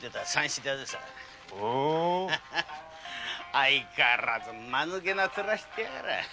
相変わらずまぬけな面してやがら。